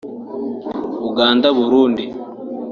Uganda Burundi